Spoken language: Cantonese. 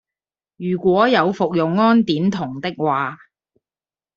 如果有服用胺碘酮的話